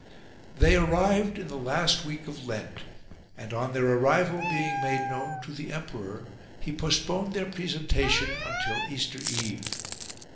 They arrived in the last week of Lent, and, on their arrival being made known to the emperor, he post poned their presentation until Easter Eve.